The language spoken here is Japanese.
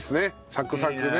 サクサクね。